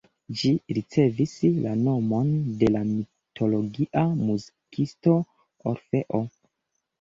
Ĝi ricevis la nomon de la mitologia muzikisto Orfeo.